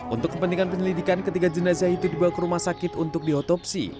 untuk kepentingan penyelidikan ketiga jenazah itu dibawa ke rumah sakit untuk diotopsi